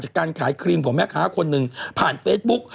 การขายครีมของแม่ค้าคนหนึ่งผ่านเฟซบุ๊ก